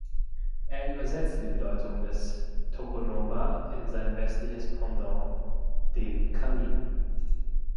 Er übersetzte die Bedeutung des Tokonoma in sein westliches Pendant: den Kamin.